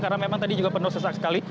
karena memang tadi juga penuh sesak sekali